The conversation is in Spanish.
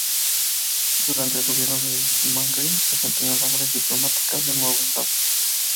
Durante el gobierno el Syngman Rhee desempeñó labores diplomáticas del nuevo estado.